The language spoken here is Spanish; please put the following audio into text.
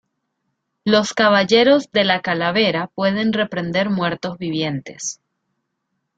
Los Caballeros de la Calavera pueden reprender muertos vivientes.